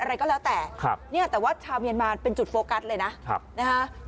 อะไรก็แล้วแต่ครับเนี่ยแต่ว่าชาวเมียนมาเป็นจุดโฟกัสเลยนะครับนะฮะ